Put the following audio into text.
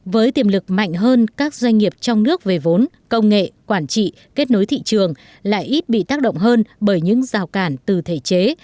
với tiềm lực mạnh hơn các doanh nghiệp trong nước về vốn công nghệ quản trị kết nối thị trường lại ít bị tác động hơn bởi những rào cản từ thể chế